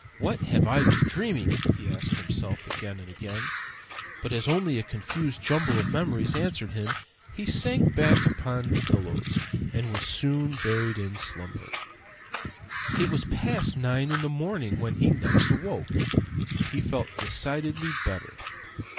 "What have I been dreaming?" he asked himself again and again. But as only a confused jumble of memories answered him, he sank back upon the pillows, and was soon buried in slumber. It was past nine o'clock in the morning when he next awoke. He felt decidedly better.